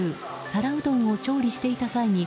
皿うどんを調理していた際に